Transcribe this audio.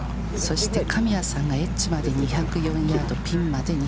そして神谷さんがエッジまで２０４ヤード。